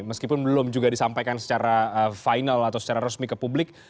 meskipun belum juga disampaikan secara final atau secara resmi ke publik